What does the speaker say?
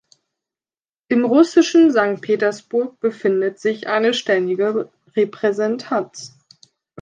Im russischen Sankt Petersburg befindet sich eine ständige Repräsentanz.